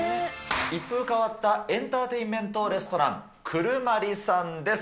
一風変わったエンターテインメントレストランクルマリさんです。